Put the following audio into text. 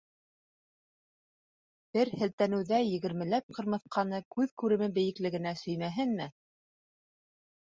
Бер, һелтәнеүҙә егермеләп ҡырмыҫҡаны күҙ күреме бейеклегенә сөймәһенме?!